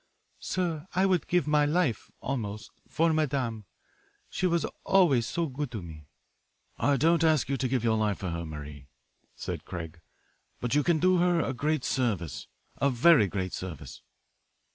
"Sir, I would give my life, almost, for madame. She was always so good to me." "I don't ask you to give your life for her, Marie," said Craig, "but you can do her a great service, a very great service."